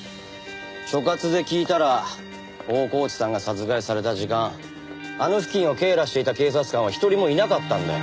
所轄で聞いたら大河内さんが殺害された時間あの付近を警らしていた警察官は一人もいなかったんだよ。